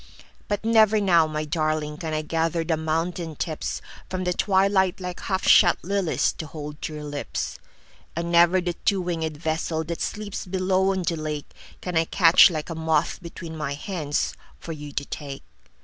But never now, my darlingCan I gather the mountain tipsFrom the twilight like half shut liliesTo hold to your lips. And never the two winged vesselThat sleeps below on the lakeCan I catch like a moth between my handsFor you to take.